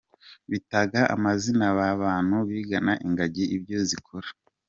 Bitaga amazina ba bantu bigana ingagi ibyo zikora.